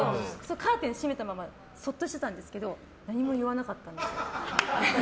カーテン閉めたままそっとしておいたんですけど何も言わなかった。